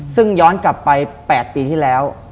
ซึ่งย้อนกลับไป๘ปีที่แล้ว